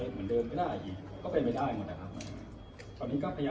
หมายถึงว่ารักษณะวิธีที่เราทำจากภายพีเก่าหรือว่ารุ่นร่างรักษณะของเรา